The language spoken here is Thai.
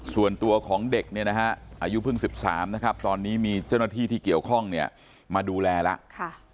ส่วนตัวของเด็กอายุพึ่ง๑๓ตอนนี้มีเจ้าหน้าที่ที่เกี่ยวข้องมาดูแลแล้ว